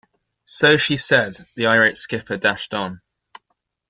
So she said, the irate skipper dashed on.